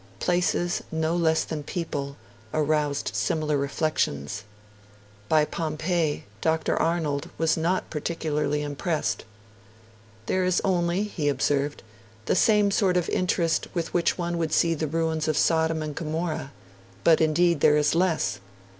Places, no less than people, aroused similar reflections. By Pompeii, Dr. Arnold was not particularly impressed. 'There is only,' he observed, 'the same sort of interest with which one would see the ruins of Sodom and Gomorrah, but indeed there is less.